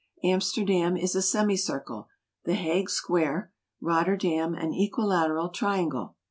Amsterdam is a semicircle, the Hague square, Rotterdam an equilateral triangle.